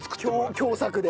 共作で。